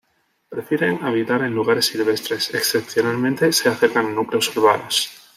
Prefieren habitar en lugares silvestres; excepcionalmente se acercan a núcleos urbanos.